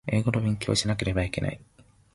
英語の勉強をしなければいけない